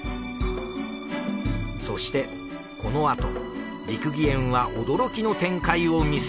そしてこのあと『六義園』は驚きの展開を見せるのです。